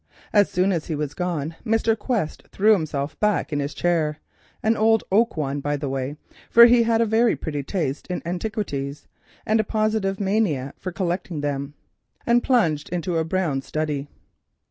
As soon as he was gone, Mr. Quest threw himself back in his chair—an old oak one, by the way, for he had a very pretty taste in old oak and a positive mania for collecting it—and plunged into a brown study.